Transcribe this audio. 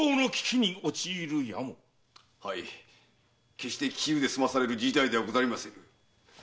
決して杞憂で済まされる事態ではございません。